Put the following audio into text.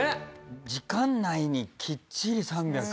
時間内にきっちり３００。